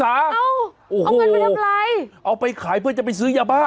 เอ้าเอาเงินไปทำไรโอ้โหเอาไปขายเพื่อจะไปซื้อยาบ้า